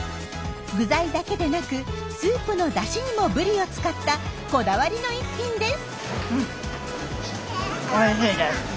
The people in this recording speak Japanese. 具材だけでなくスープのだしにもブリを使ったこだわりの一品です。